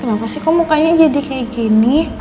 kenapa sih kok mukanya jadi kayak gini